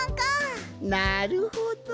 なるほど！